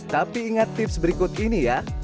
tapi ingat tips berikut ini ya